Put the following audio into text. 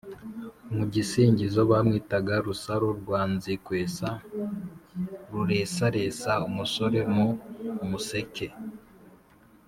mu gisingizo bamwitaga "rusaro rwa nzi kwesa ruresaresa umusore mu museke